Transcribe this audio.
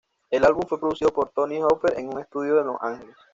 El álbum fue producido por Tony Hoffer en un estudio en Los Ángeles.